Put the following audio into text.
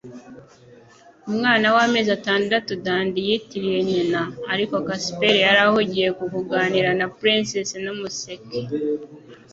Umwana w'amezi atandatu Dandy yitiriye nyina, ariko Casper yari ahugiye mu kuganira na Princess na Umuseke.